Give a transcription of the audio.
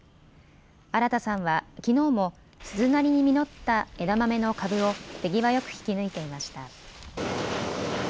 荒田さんは、きのうも鈴なりに実った枝豆の株を手際よく引き抜いていました。